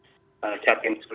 yang ada di pilkada